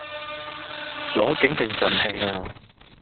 攞景定贈慶呀